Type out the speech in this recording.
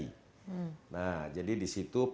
nah jadi disitu pengaktifan sistem penyelamatan dan evakuasi